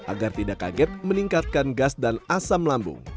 agar tidak kaget meningkatkan gas dan asam lambung